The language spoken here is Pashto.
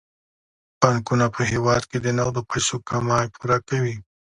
بانکونه په هیواد کې د نغدو پيسو کمی پوره کوي.